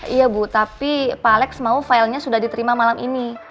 iya bu tapi pak alex mau filenya sudah diterima malam ini